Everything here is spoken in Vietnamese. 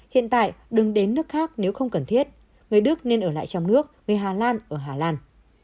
hiện tại đừng đến nước khác nếu không cần thiết người đức nên ở lại trong nước người hà lan ở hà lan